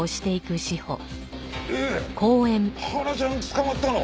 原ちゃん捕まったの？